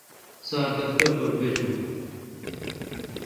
سار دفتر پر بجون۔